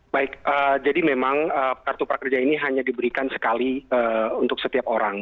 baik jadi memang kartu prakerja ini hanya diberikan sekali untuk setiap orang